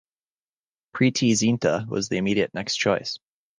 Preity Zinta was the immediate next choice.